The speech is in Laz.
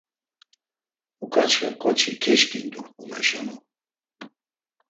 Uǩaçxe ǩoçi keşǩindu umeşonu.